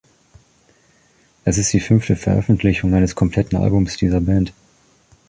Es ist die fünfte Veröffentlichung eines kompletten Albums dieser Band.